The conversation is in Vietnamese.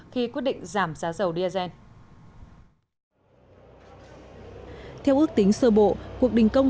khi quyết định giảm giá dầu diesel theo ước tính sơ bộ cuộc đình công